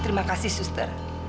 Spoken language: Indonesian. terima kasih suster